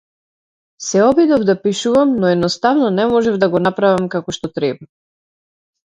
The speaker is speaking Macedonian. Се обидов да пишувам, но едноставно не можев да го направам како што треба.